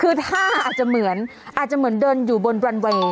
คือท่าอาจจะเหมือนอาจจะเหมือนเดินอยู่บนบรันเวย์